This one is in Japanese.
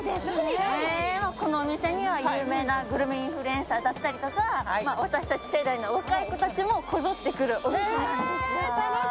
このお店には有名なグルメインフルエンサーとか私たち世代の若い人たちもこぞって来るお店なんですよ。